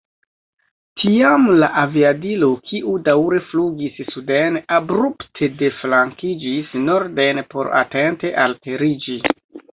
Tiam la aviadilo, kiu daŭre flugis suden, abrupte deflankiĝis norden por atente alteriĝi.